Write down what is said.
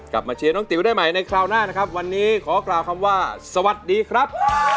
กลับมาเชียร์น้องติ๋วได้ใหม่ในคราวหน้านะครับวันนี้ขอกล่าวคำว่าสวัสดีครับ